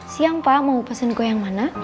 siang pak mau pesen gua yang mana